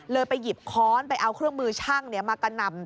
ไปหยิบค้อนไปเอาเครื่องมือช่างมากระหน่ำ